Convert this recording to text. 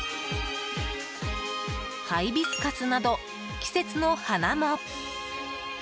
ハイビスカスなど季節の花も。